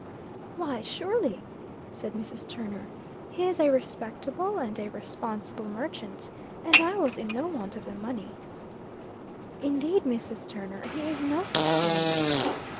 "Why, surely," said Mrs. Turner, "he is a respectable and a responsible merchant; and I was in no want of the money." "Indeed, Mrs. Turner, he is no such thing."